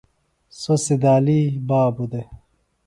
سوۡ سِدالی بابوۡ دےۡ